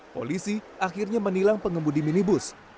polisi akhirnya menilang pengemudi minibus